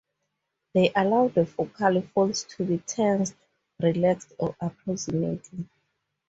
They allow the vocal folds to be tensed, relaxed, or approximated.